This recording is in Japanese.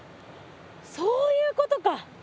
そういうことか！